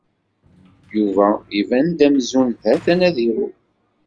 Yuba iban-d amzun ha-t-an ad iru.